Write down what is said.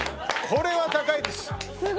これは高いです。